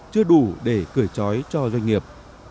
chưa đủ để cởi chói cho doanh nghiệp